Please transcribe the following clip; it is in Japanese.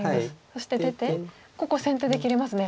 そして出てここ先手で切れますね。